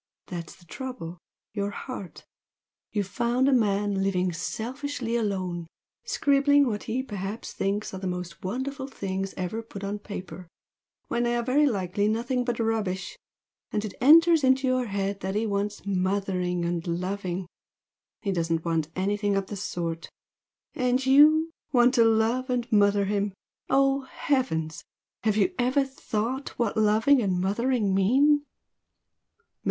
That's the trouble your heart! You've found a man living selfishly alone, scribbling what he perhaps thinks are the most wonderful things ever put on paper, when they are very likely nothing but rubbish, and it enters into your head that he wants mothering and loving! He doesn't want anything of the sort! And YOU want to love and mother him! Oh heavens! have you ever thought what loving and mothering mean?"